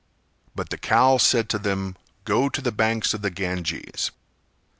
But the cow said to them "Go to the banks of the Ganges."